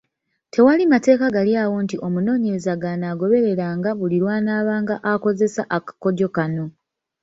Tewali mateeka gali awo nti omunoonyereza g’anaagobereranga buli lw’anaabanga akozesa akakodyo kano.